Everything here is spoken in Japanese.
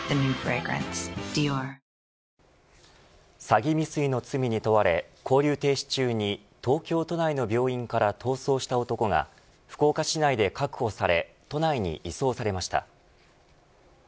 詐欺未遂の罪に問われ勾留停止中に東京都内の病院から逃走した男が福岡市内で確保され都内に移送されました。